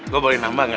gue boleh nambah gak